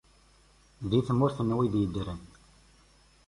Di tmurt n wid yeddren.